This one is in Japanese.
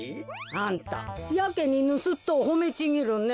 あんたやけにぬすっとをほめちぎるね。